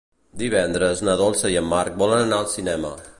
Divendres na Dolça i en Marc volen anar al cinema.